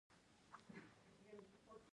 د موټر چلولو پر مهال موبایل مه کاروئ.